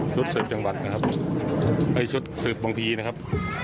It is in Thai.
สืบจังหวัดนะครับให้ชุดสืบบางทีนะครับ